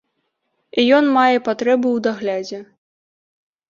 Ён мае патрэбу ў даглядзе.